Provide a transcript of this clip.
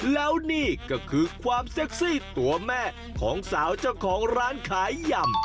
แล้วนี่ก็คือความเซ็กซี่ตัวแม่ของสาวเจ้าของร้านขายยำ